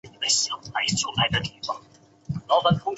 韦尔诺伊亨是德国勃兰登堡州的一个市镇。